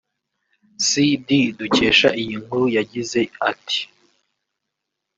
cd dukesha iyi nkuru yagize ati